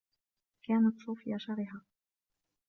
كانت صوفيا شرهة.